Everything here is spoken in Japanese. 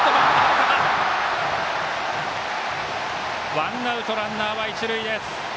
ワンアウトランナーは一塁です。